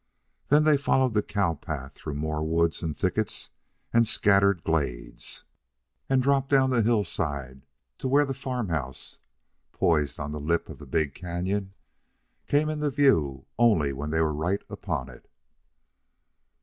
Then they followed the cow path through more woods and thickets and scattered glades, and dropped down the hillside to where the farm house, poised on the lip of the big canon, came into view only when they were right upon it.